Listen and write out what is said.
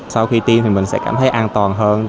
sau khi tiêm thì mình sẽ cảm thấy an toàn hơn